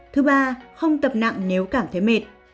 thứ ba không tập nặng nếu cảm thấy mệt